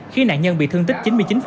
khi nạn nhân bị thương tích chín mươi chín